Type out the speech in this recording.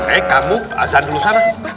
eh kamu azan dulu sana